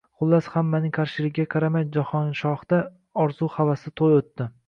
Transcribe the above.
Xullas, hammaning qarshiligiga qaramay, Jahonshohda orzu-havasli to`y o`tdi